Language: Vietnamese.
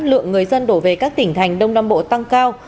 lượng người dân đổ về các tỉnh thành đông nam bộ tăng cao